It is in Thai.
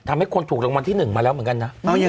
ทำให้คนถูกรางวัลที่๑มาแล้วเหมือนกันนะ